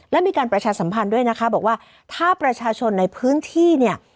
และมีการประชาสัมพันธ์ด้วยนะคะบอกว่าถ้าประชาชนในพื้นที่เนี่ย